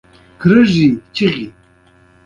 محمدرضاخان او راجا شیتاب رای رپوټ ورکړ.